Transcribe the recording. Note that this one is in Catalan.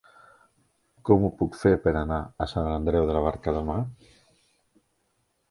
Com ho puc fer per anar a Sant Andreu de la Barca demà?